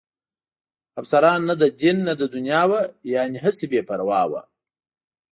افسران نه د دین نه د دنیا وو، یعنې هسې بې پروا ول.